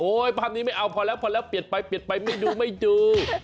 โอ๊ยภาพนี้ไม่เอาพอแล้วเปลี่ยนไปไม่ดู